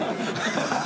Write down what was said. ハハハハ！